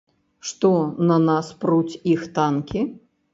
Што, на нас пруць іх танкі?